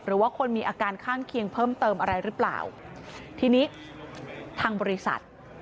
หรือว่าคนมีอาการข้างเคียงเพิ่มเติมอะไรหรือเปล่าทีนี้ทางบริษัท